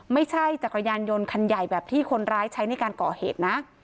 จักรยานยนต์คันใหญ่แบบที่คนร้ายใช้ในการก่อเหตุนะ